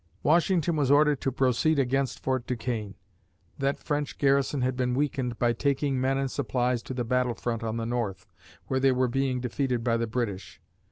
Washington was ordered to proceed against Fort Duquesne. That French garrison had been weakened by taking men and supplies to the battle front on the north, where they were being defeated by the British.